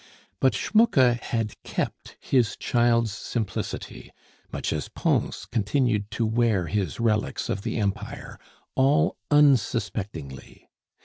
But Schmucke had kept his child's simplicity much as Pons continued to wear his relics of the Empire all unsuspectingly.